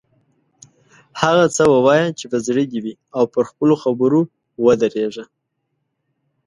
هغه څه ووایه چې په زړه دې وي او پر خپلو خبرو ودریږه.